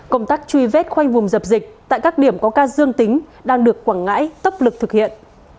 công tác truy vết khoanh vùng dập dịch tại các điểm có ca dương tính đang được quảng ngãi tốc lực thực hiện